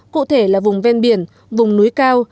cụ thể là vùng ven biển vùng núi cao